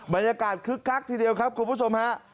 คึกคักทีเดียวครับคุณผู้ชมฮะ